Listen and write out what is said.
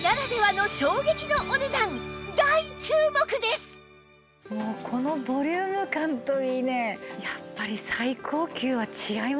しかしもうこのボリューム感といいねやっぱり最高級は違いますね！